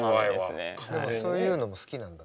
でもそういうのも好きなんだね。